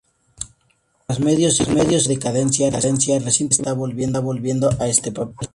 Tras medio siglo de decadencia, recientemente está volviendo a este papel.